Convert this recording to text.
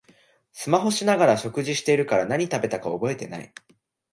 スマホしながら食事してるから何食べたか覚えてない